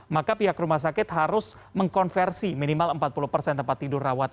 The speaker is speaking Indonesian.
maka pihak rumah sakit harus mengkonversi minimal empat puluh persen tempat tidur rawat